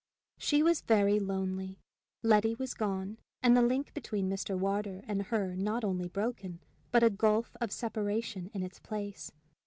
She was very lonely. Letty was gone; and the link between Mr. Wardour and her not only broken, but a gulf of separation in its place.